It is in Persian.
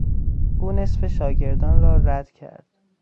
او نصف شاگردان را رد کرد.